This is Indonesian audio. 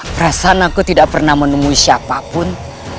perasaan aku tidak pernah menemui siapapun